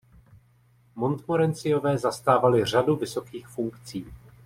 Montmorencyové zastávali řadu vysokých funkcí.